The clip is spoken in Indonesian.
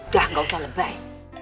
dah gak usah lebay